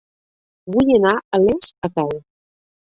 Vull anar a Les a peu.